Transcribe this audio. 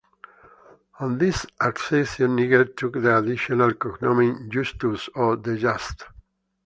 On his accession, Niger took the additional cognomen "Justus", or "the Just".